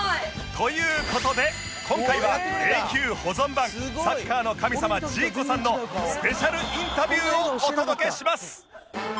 という事で今回は永久保存版サッカーの神様ジーコさんのスペシャルインタビューをお届けします